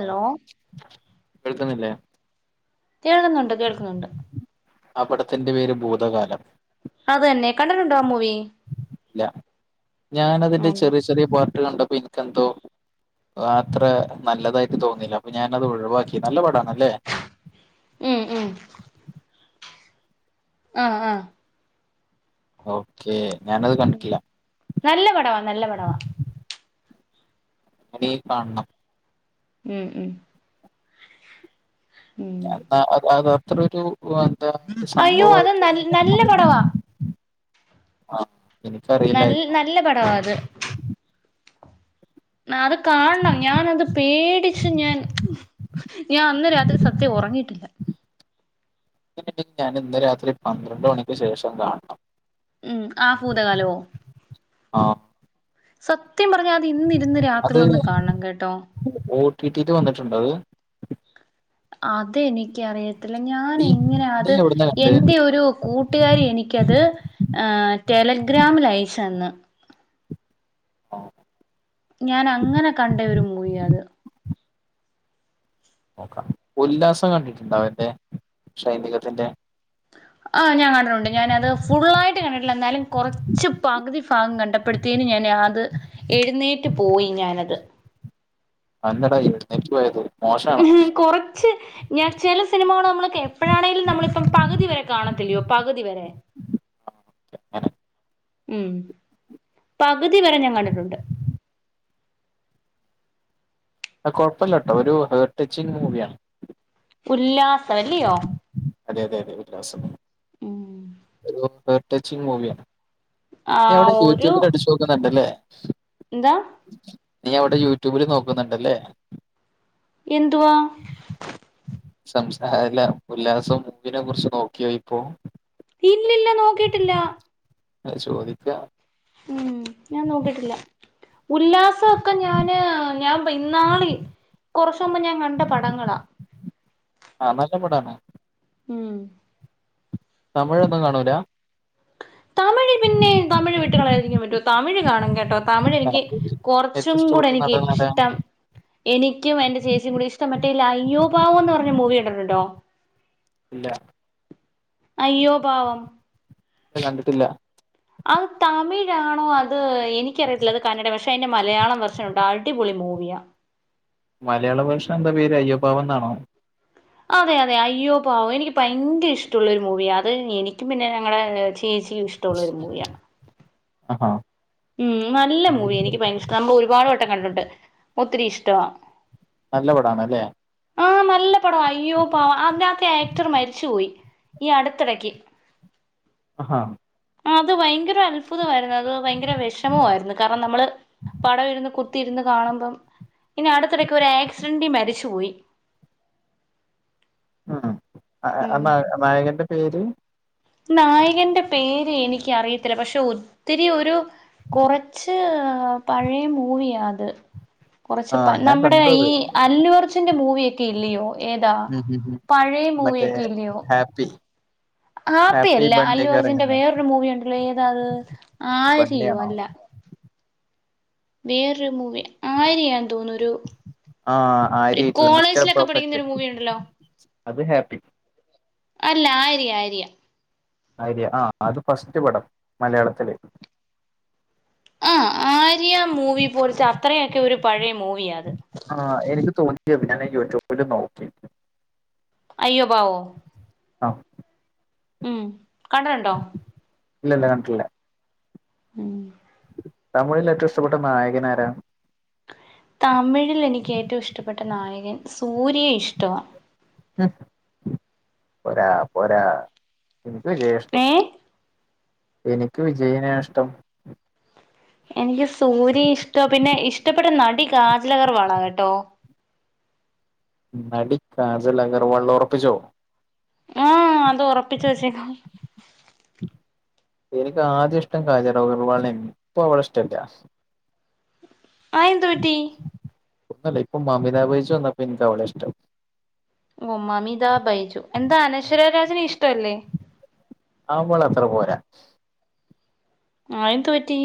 ആഹ്, കേൾക്കുന്നില്ലേ? കേൾക്കുന്നുണ്ട് കേൾക്കുന്നുണ്ട്. ആ പടത്തിന്റെ പേര് ഭൂതകാലം. അതന്നെ കണ്ടിട്ടുണ്ടോ ആ മൂവി? ല്ല. ഞാനതിന്റെ ആണല്ലേ ചെറിയ ചെറിയ പാർട് കണ്ടപ്പോ എനിക്കെന്തോ. ആ അത്ര നല്ലതായിട്ട് തോന്നില്ല. അപ്പൊ ഞാനത് ഒഴിവാക്കി. നല്ല പടാ നല്ലേ. ഉം ഉം. ആഹ് ഹ. ഓക്കേ, ഞാനത് കണ്ടിട്ടില്ല. നല്ല പടവാ നല്ല പടവാ. [unintelligible] കാണണം. ഉം ഉം ഉം. ആ അത് അത്രൊരു വെന്താ ഒരു അയ്യോ അത് ന സംഭവയിട്ടയ്നെ നല്ല കണ്ടില്ല. പടവാ ആഹ് നൽ നല്ല പടവാ അത്. അത് കാണണം. ഞാനത് പേടിച്ച് ഞാൻ. ഞാൻ അന്ന് രാത്രി സത്യം ഉറങ്ങിയിട്ടില്ല. അങ്ങനെങ്കി ഞാൻ ഇന്ന് രാത്രി പന്ത്രണ്ട് മണിക്ക് ശേഷം കാണണം. ഉം ആ പൂതകാലോ? ആഹ് സത്യം പറഞ്ഞാ അത് ഇന്നിരുന്ന് രാത്രിയൊന്നു കാണണം കേട്ടോ. ഓ റ്റി ടീ ല് വന്നിട്ടുണ്ടോ അത്? അത് എനിക്കറിയത്തില്ല. ഞാൻ നീ എങ്ങനെയ നീ അത് എവിടുന്നാ കണ്ടേ എൻ്റെ ഒരു കൂ ട്ടുകാരി എനിക്കത് അഹ് ടെലഗ്രാമിൽ അയച്ച് തന്ന്. ആഹ് ഞാൻ അങ്ങനെ കണ്ട ഒരു മൂവിയ അത്. നോക്കാം. ഉല്ലാസം കണ്ടിട്ടുണ്ടോ മറ്റേ ഷൈനികത്തിന്റെ? ആഹ് ഞാൻ കണ്ടിട്ടുണ്ട്, ഞാനത് ഫുള്ളായിട്ട് കണ്ടിട്ടില്ല. എന്നാലും കൊറ ച്ച് പകുതി ഭാഗം കണ്ടപ്പഴ്ത്തേന്നും, ഞാന് അത് എഴുന്നേറ്റ് പോയി ഞാനത്. അതെന്താട എഴുന്നേറ്റ് പോയത് മോശമാണോ? കൊറച്ച്, ഞാൻ ചില സിനിമകള് നമ്മള്ക്ക് എപ്പഴാണെങ്കിലും നമ്മളിപ്പം പകുതി വരെ കാണത്തില്ലയോ, പകുതി വരെ. ഉം [unintelligible] ഉം പകുതി വരെ ഞാൻ കണ്ടിട്ടുണ്ട്. ആ കുഴപ്പില്ലട്ടോ ഒരു ഹെർട്ട് ടച്ചിങ് മൂവിയാണ്. ഉല്ലാസം അല്ലയോ? അതെ അതെ അതെ ഉല്ലാസം. ഉം. ഒരു ഹെർ ടച്ചിങ് മൂവിയാ. നീ അവിടെ ആഹ് ഒരു യൂട്യൂബിൽ അടച്ച് നോക്കുന്നുണ്ടല്ലേ? എന്താ? നീ അവിടെ യൂട്യൂബില് നോക്കുന്നുണ്ടല്ലേ? എന്തുവാ? സംസാരില്ല. ഉല്ലാസം മൂവിനെ കുറിച്ച് നോക്കിയോ ഇപ്പോ? ഇല്ലില്ല നോക്കിയിട്ടില്ല. അ ചോദിക്ക. ഉം ഞാൻ നോക്കിട്ടില്ല. ഉല്ലാസൊക്കെ ഞാന് ഞാൻ ഇന്നാളി കൊറച്ച് മുമ്പ് ഞാൻ കണ്ട പടങ്ങളാ. ആ നല്ല പടാണ്. ഉം തമിഴൊന്നും കാണൂല. തമിഴ് പിന്നെ തമിഴ് വിട്ടുകളയാതിരിക്കൻ പറ്റോ തമിഴ് കാണും കേട്ടോ. തമിഴ് എനിക്ക് ഏറ്റവും കുറച്ചും കൂടെ ഇഷ്ടപ്പെട്ട എനിക്ക് നടൻ ആരാണ് ഇഷ്ടം എനിക്കും എന്റെ ചേച്ചിക്കും കൂടുതൽ ഇഷ്ടം മറ്റേല്ലേ അയ്യോ പാവം എന്ന് പറഞ്ഞ മൂവി കണ്ടിട്ടുണ്ടോ. ഇല്ല അയ്യോ പാവം ല്ല കണ്ടിട്ടില്ല. അത് തമിഴാണോ അത് എനിക്കറിയത്തില്ല. അത് കന്നട പക്ഷേ അതിൻ്റെ മലയാളം വേർഷൻ ഉണ്ട് അടിപൊളി മൂവിയാ. മലയാള വേർഷൻ എന്താ പേര് അയ്യോ പാവം എന്നാണോ അതെ അതെ അയ്യോ പാവം എനിക്ക് ഭയങ്കര ഇഷ്ടമുള്ളൊരു മൂവിയ അത് എനിക്കും പിന്നെ ഞങ്ങടെ ചേച്ചിയും ഇഷ് ആഹ് ഉം നല്ല മൂവി എനിക്ക് ഭയങ്കര ഇഷ്ട നമ്മ ഒരുപാട് വട്ടം കണ്ടിട്ടണ്ട്. ഒത്തിരി ഇഷ്ടവാ. നല്ല പടാണ് അല്ലേ. ആഹ് നല്ല പടവാ അയ്യോ പാവം അതിനകത്തെ ആക്ടർ മരിച്ചു പോയി ഈ അടുത്തിടക്ക്. ആഹ് അത് ഭയങ്കര അത്ഭുതമായിരുന്നു. അത് ഭയങ്കര വിഷമമായിരുന്നു. കാരണം നമ്മള് പടം ഇരുന്ന് കുത്തി ഇരുന്ന് കാണുമ്പം ഇനി അടുത്തിടക്ക് ഒരു ആക്സിഡൻറ്റി മരിച്ചുപോയി. ഉഹും ആ ഉം. ആ നായകന്റെ പേര്? നായകന്റെ പേര് എനിക്ക് അറിയത്തില്ല. പക്ഷെ ഒത്തിരി ഒരു കൊറച്ച് ആ പഴയ മൂവിയാ അത്. കുറച്ച് പ ആഹ് ഞാൻ നമ്മുടെ കണ്ടു ഈ അത്. ആളുഅർജുന്റെ മൂവിയ ഒക്കെ ഇല്ലയോ. ഏതാ ഉം ഉം ഉം. പഴയ മറ്റേ മൂവിയൊക്കെ ഇല്ലയോ ഹാപ്പി ഹാപ്പി ഹാപ്പില്ല അല്ലു ബണ്ണിയൊക്കെ അർജുന്റെ ഇറങ്ങുന്നെ വേറൊരു മൂവിയണ്ടല്ലോ ഏതാത് ആര്യയോ ബണ്ണിയാണോ? അല്ല വേറൊരു മൂവി ആര്യ ന്തോന്നുന്നു ഒരു ആഹ് ഒരു ആര്യ ടു മിസ്റ്റർ കോളേജിലൊക്കെ പഠിക്കുന്ന പെർഫെക്ട് ഒരു മൂവി ഉണ്ടല്ലോ അത് ഹാപ്പി അല്ല ആര്യ ആര്യ ആര്യ ആ അത് ഫസ്റ്റ് പടം മലയാളത്തില്. ആഹ് ആര്യ മൂവി പോലത്തെ അത്രയൊക്കെ ഒരു പഴയ മൂവിയ അത് ആഹ് എനിക്ക് തോന്നി അതെ. ഞാന് യൂട്യൂബില് നോക്കി അയ്യോ പാവോ ആഹ് ഉം കണ്ടിട്ടുണ്ടോ ഇല്ല ഇല്ല കണ്ടിട്ടില്ലേ. ഉം തമിഴിൽ ഏറ്റവും ഇഷ്ടപ്പെട്ട നായകൻ ആരാ? തമിഴിൽ എനിക്ക് ഏറ്റവും ഇഷ്ടപ്പെട്ട നായകൻ സൂര്യ ഇഷ്ട്ടവ. ഉം പോരാ പോരാ എനിക്ക് വിജയിയെ ഇഷ്ടം. ഏ എനിക്ക് വിജയിനെ ഇഷ്ടം. എനിക്ക് സൂര്യ ഇഷ്ട്ട. പിന്നെ ഇഷ്ടപ്പെട്ട നടി കാജൽ ആഗ്രവൾ ആണ് കേട്ടോ നടി കാജൽ ആഗ്രവൾ ഉറപ്പിച്ചോ ആ അത് ഉറപ്പിച്ച വെച്ചേക്ക എനിക്ക് ആദ്യം ഇഷ്ടം കാജൽ ആഗ്രവൾനേതായിരിന്നു ഇപ്പ അവള ഇഷ്ടല്ല. ആയിയെന്തുപറ്റി ഇപ്പോയില്ല ഇപ്പം മാമിത ബൈജു വന്നപ്പോൾ ഇക്ക് അവള ഇഷ്ടം ഉം മാമിത ബൈജു എന്താ അനശ്വര രാജന് ഇഷ്ട അല്ലേ? അവള് അത്ര പോരാ. ആഹ് എന്തു പറ്റി.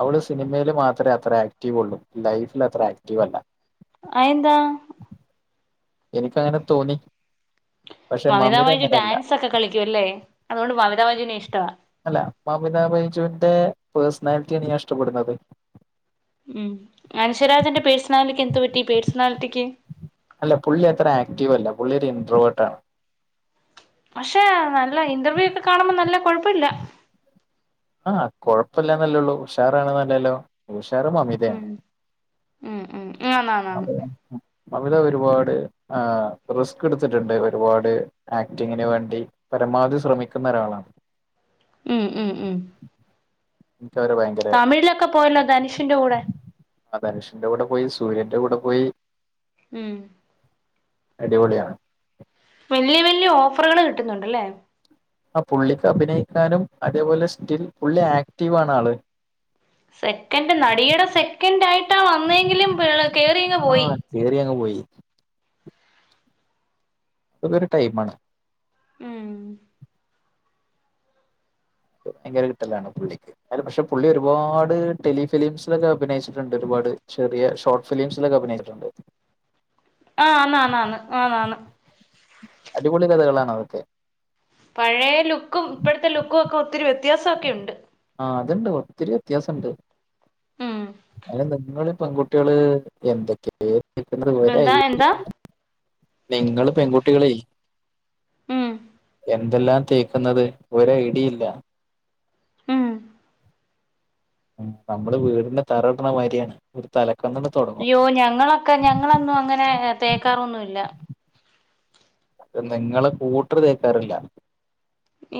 അവള് സിനിമേല് മാത്രേ അത്ര ആക്റ്റീവ് ഒള്ളൂ ലൈഫില് അത്ര ആക്റ്റീവ് അല്ല അഎന്താ എനിക്ക് അങ്ങനെ തോന്നി പക്ഷെ മമിതാ മമിത ബജി അങ്ങനെയല്ല ഡാൻസ് ഒക്കെ കളിക്ക്യെല്ലേ അതോണ്ട് മമ താ ബജിനെ ഇഷ്ടാ അല്ല മമിതാ ബൈജുവിന്റെ പേഴ്സണാലിറ്റിയാണ് ഞാൻ ഇഷ്ടപ്പെടുന്നത് ഉം അനുഷരാജന്റെ പേഴ്സണാലിക്ക് എന്തു പറ്റി പേഴ്സണാലിറ്റിക്ക് അല്ല പുള്ളി അത്ര ആക്റ്റീവല്ല പുള്ളി ഒര് എൻട്രോവേട്ട്ആണ് പക്ഷെ നല്ല ഇന്റർവ്യൂ ഒക്കെ കാണുമ്പോ നല്ല കൊഴപ്പ്യല്ല ആഹ് കൊഴപ്പല്ലന്നല്ലെള്ളൂ ഉഷാറാണ് ന്നല്ലല്ലോ ഉഷാറ് മമിതേണ് ഉം [inaudible] ഉം ഉം ആന്നാന്നാന്ന് [unintelligible] മമിത ഒരുപാട് ആഹ് റിസ്ക് ഇട്ത്തിട്ട്ണ്ട് ഒരുപാട് ആക്ടിങ്ങിന് വേണ്ടി പരമാവധി ശ്രമിക്കുന്ന ഒരാളാണ് ഉം ഉം ഉം എനിക്ക് അവരെ ഭയങ്ക തമിഴിലൊക്കെ പോയല്ലോ ദനുഷിന്റെ കൂടെ ആഹ് ധനുഷിന്റെ കൂടെ പോയി സൂര്യന്റെ കൂടെ പോയി ഉം അടിപൊളിയാണ് വല്ല്യ വല്ല്യ ഓഫറുകൾ കിട്ടുന്നുണ്ട്ല്ലേ ആഹ് പുള്ളിക്ക് അഭിനയിക്കാനും അതേപോലെ സ്റ്റിൽ പുള്ളി ആക്റ്റീവാണ് ആള് സെക്കൻഡ് നടിയുടെ സെക്കൻഡായിട്ടാ വന്നെങ്കിലും പി കേറിങ്ങ് പോയി കേറിഅങ് പോയി അതൊരു ടൈമാണ് ഉം പിന്നങ്ങനൊരു കിട്ടലാണ് പുള്ളിക്ക് അയ്ല പക്ഷെ പുള്ളി ഒരുപാട് ടെലിഫിലിംസിലൊക്കെ അഭിനയിച്ചിട്ട്ണ്ട് ഒരുപാട് ചെറിയ ഷോർട്ട് ഫിലിംസിലൊക്കെ അഭിനയിച്ചിട്ട്ണ്ട് ആഹ് ന്നാന്നാന്ന് ആന്ന് അടിപൊളി ലതകളാണ് അവൾക്ക് പഴേ ലുക്കും ഇപ്പഴ്ത്തെ ലുക്കൊക്കെ ഒത്തിരി വ്യത്യാസ ഒക്കെയുണ്ട് ആഹ് അത്ണ്ട് ഒത്തിരി വ്യത്യാസണ്ട് ഉം അയ്ന് നിങ്ങള് ഈ പെൺ കുട്ട് കുട്ട്യാള് എന്തൊക്കേ തേക്കുന്നത് ഒരയ്ടേം എന്താ ഇല്ല്യ എന്താ നിങ്ങള് പെൺകുട്ടികളേ ഉം എന്തെല്ലാം തേക്ക്ന്നത് ഒരഐടീം ഇല്ല ഉം നമ്മള് വീടിന്റെ തറട്ണമാര്യാണ് ഒരു തലക്കന്നങ്ങ് ഇയ്യോ ഞങ്ങളൊക്കെ ഞങ്ങളൊന്നും അങ്ങനെ തേക്കാറൊന്നു ഇല്ല നിങ്ങള്കൂട്ടറ് തേക്കാറില്ല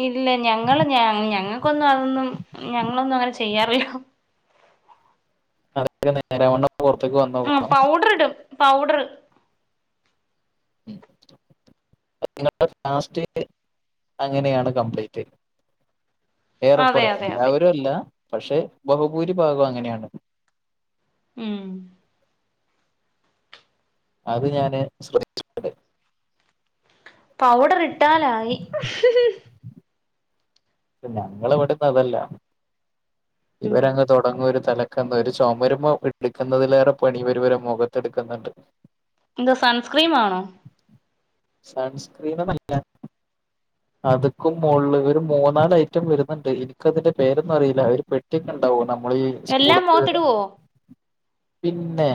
ഇല്ല ഞങ്ങള് ഞ ഞങ്ങക്കൊന്നും അതൊന്നും ഞങ്ങളൊന്നും അങ്ങനെ ചെയ്യാറില്ല അതൊക്കെ നേരാവണ്ണം പൊറത്ത്ക്ക് വന്നോക്കണം അവസ് പൗഡറ്ടും പൗഡറ് മ് ലാസ്റ്റ് അങ്ങനെയാണ് കംപ്ലയിന്റ് അതെ ഏറെക്കുറെ അതെ അതെ എല്ലാവരുംല്ല പക്ഷെ ബഹുഭൂരിഭാഗം അങ്ങനെയാണ് ഉം അത് ഞാന് ശ്രദ്ധിച്ച പൗഡറിട്ടാലായി പിന്നെ ഇങ്ങളവ്ടതൊന്നല്ലാ ഉം ഇവരങ് തൊടങ്ങും ഒരു തലക്ക- ക്കന്ന് ഒരു ചൊമര്മ്മേ ഇട്ക്ക്ന്നതിലേറേ പണി ഇവര് ഇവരെ മൊകത്ത്ട്ക്ക്ന്ന്ണ്ട് ന്താ സൺസ്ക്രീം ആണോ? സൺസ്ക്രീന്നല്ല അത്ക്കും മോൾല് ഇവരു മോ മൂന്നാലയ്റ്റം വരുന്നുണ്ട് ഇൻക്കതിന്റെ പേരൊന്നും അറില്ല. ഒര് പെട്ടിയൊക്കെ ഉണ്ടാവും നമ്മളീ എല്ലാം സ്കൂള്ക്ക് മുഖത്തിടുവോ പിന്നെ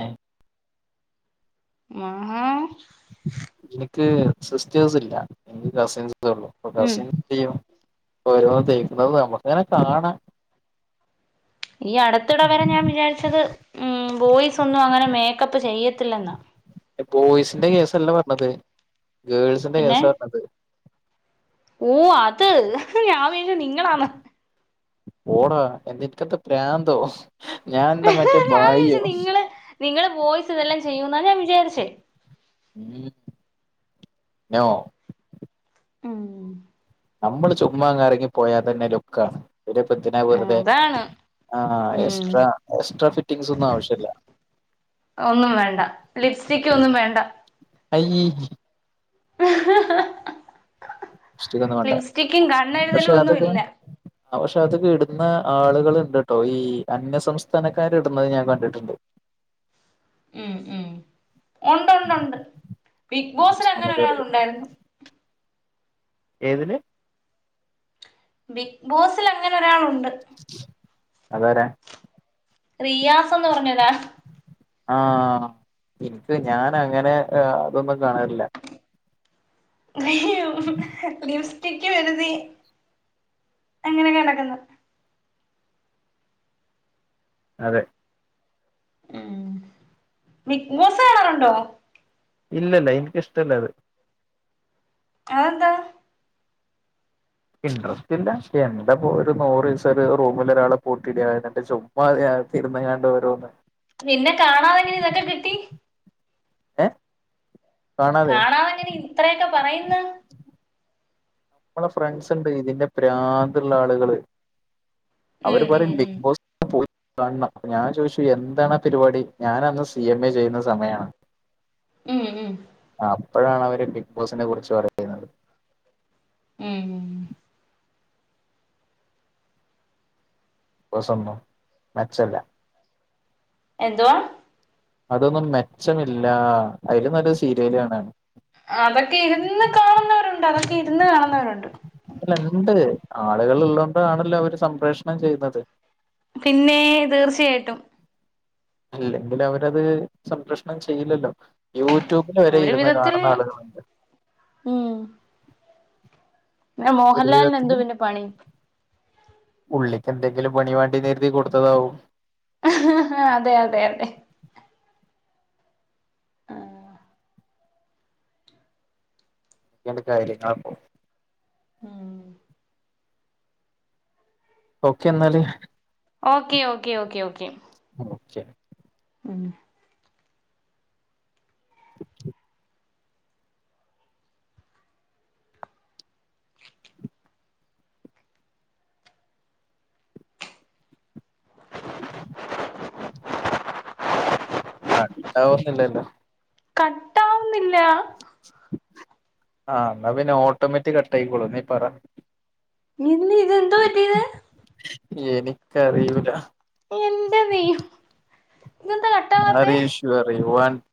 ആഹാ എനിക്ക് സിസ്റ്റേഴ്സ് ല്ല എനിക്ക് കസിൻസൊള്ളു അപ്പൊ ഉം കസിൻസെ ന്തെയ്യും ഓരോന്ന് തേക്ണത് നമ്ക്ക്ങ്ങനെ കാണാ. ഈ അട്ത്തിടേ വരെ ഞാൻ ഉം ബോയ്സൊന്നും മേക്കപ്പ് ചെയ്യത്തില്ലന്നാ ല്ല ബോയ്സിന്റെ കേസല്ല പറഞ്ഞത് ഗേൾസിന്റെ കേസാ പറഞ്ഞത് ഓഹ് അത് ഞാൻ വിചാരിച്ചത് നിങ്ങളാന്ന് പോടാ എന്തെന്ക്കന്താ പ്രാന്തോ ഞാനെന്താ മറ്റേ ഞാൻ വിചാരിച്ചു ഭായിയോ നിങ്ങള് നിങ്ങള് ബോയ്സ് ഇതെല്ലാം ചെയ്യൂന്നാ ഞാ വിചാരിച്ചേ മ്. നൊ മ്ഹ് നമ്മള് ചുമ്മാ അങ് ഇറങ്ങി പോയാതന്നെ ലുക്കാണ്. പിന്നെപ്പെന്തിനാ ഉം വെറുതെ അതാണ് ആഹ് എസ്ട്രാ എസ്ട്രാ ഫിറ്റിംഗ്സൊന്നും ആവശ്യല്ല ഒന്നും വേണ്ട ലിപ്സ്റ്റിക്കൊന്നും വേണ്ട അയ്യീ ലിപ്സ്റ്റിക് ഒന്നും വേണ്ട ലിപ്സ്റ്റിക്കും കണ്ണെഴുതലു പക്ഷെ ഒന്നു അതൊക്കെ ഇല്ല ആഹ് പക്ഷെ അതൊക്കെയിടുന്ന ആളുകള്ണ്ട്ട്ടോ ഈ അന്യസംസ്ഥാനക്കാര്ട്ന്നത് ഞാൻ കണ്ടിട്ട്ണ്ട് ഉം ഉം ഉണ്ടൊണ്ടുണ്ട് ബിഗ് സംസ്ഥാനക്കാര് ബോസിലങ്ങനൊരാള് ഉണ്ടായിരുന്നു ഏതില്? ബിഗ് ബോസില് അങ്ങനെ ഒരാളുണ്ട് അതാരാ? റിയാസന്ന് പറഞ്ഞൊരാ ആഹ് ഇൻക്ക് ഞാൻ അങ്ങനെ ഏഹ് അതൊന്നും കാണാൽല്ല ലിപ്സ്റ്റിക്ക് വരുതി അങ്ങനെയൊക്കെ നടക്കുന്നു അതെ ഉം ബിഗ് ബോസ് കാണാറുണ്ടോ? ഇല്ലല്ല ഇൻക്കിഷ്ടല്ല അത് അതെന്താ? ഇൻ്ററസ്റ്റ് ഇല്ല എന്താ പോ ഒരു നൂറിസ ഒരു റൂമിൽ ഒരാളെ പൂട്ടിടാ എന്നിട്ട് ചു മ്മാ അകത്തിരുന്നാണ്ട് ഓരോന്ന് പിന്നെ കാണാതെങ്ങനെ ഇതൊക്കെ കിട്ടി ഏഹ്? കാണാതെ കാണാതെങ്ങനെ ഇത്രയൊക്കെ പറയുന്ന് നമ്മള ഫ്രണ്ട്സ് ണ്ട് ഇതിന്റെ പ്രാന്തുള്ള ആളുകള് ഉം അവര് ഉം പറയും ബിഗ് ബോസ് പോയി കാണണം. ഞാൻ ചോദിച്ചു എന്താണാ പരിപാടി ഞാൻ അന്ന് സി എം എ ചെയ്യുന്ന സമയാണ് [inaudible] ഉം ഉം ആഹ് അപ്പഴാണ് അവര് ബിഗ് ബോസിനെ കുറിച്ച് പറയുന്നത് ഉം ഉം ബോസൊന്നും മെച്ചല്ല എന്തുവാ അതൊന്നും മെച്ചമില്ലാ അയ്ലും നല്ലത് സീരിയല് കാണാണ് അതൊക്കെ ഇരുന്ന് കാണുന്നവരുണ്ട് അതൊക്കെ ഇരുന്ന് കാണുന്നവരുണ്ട്. അല്ല ഇണ്ട്. ആളുകൾ ഉള്ളോണ്ടാണല്ലോ അവര് സംപ്രേഷണം ചെയ്യുന്നത് പിന്നേ തീർച്ചയായിട്ടും ഇല്ലെങ്കിൽ അവരത് സംപ്രേക്ഷണം ചെയ്യില്ലല്ലോ യൂട്യൂബില് വരെ ഒരു ഇരുന്ന് വിധത്തിൽ കാണുന്ന ആളുകളുണ്ട് ഉം ഒരു മോഹൻലാലിന് വിധത്തില് എന്തുവ പിന്നെ പണി പുള്ളിക്ക് എന്തെങ്കിലും പണി വേണ്ടെന്ന് കരുതി കൊടുത്തതാവും അതെ അതെ അതെ ആഹ് കാര്യങ്ങൾ ഉം ഓക്കെ എന്നാല് okay okay okay okay okay ഉം [inaudible] കട്ടാവുന്നില്ലല്ലോ കട്ടാവുന്നില്ല ആ എന്നാ പിന്നെ ഓട്ടോമാറ്റിക് കട്ട് ആയിക്കോളൂ നീ പറ ഇന്ന് ഇതെന്ത് പറ്റി ഇത് എനിക്കറിയൂല എൻ്റ ദൈവമെ ഇതെന്താ കട്ടാവാത്തെ ഇഷ്യൂ പറയും [unintelligible]